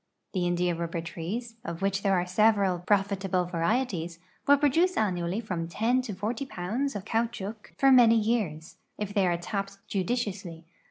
The india rul)l)er trees, of which there are several prolitahle varieties, will produce annually iVom 10 to 10 pounds of caout chouc for many years, if they are tapped judiciously.